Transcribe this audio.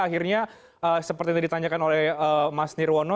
akhirnya seperti yang ditanyakan oleh mas nirwono